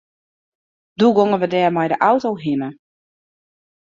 Doe gongen we der mei de auto hinne.